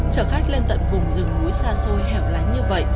chở khách lên tận vùng rừng núi xa xôi hẻo lánh như vậy